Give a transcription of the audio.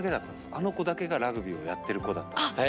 あの子だけがラグビーをやってる子だったんです。